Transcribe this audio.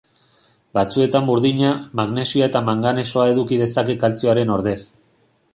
Batzuetan burdina, magnesioa eta manganesoa eduki dezake kaltzioaren ordez.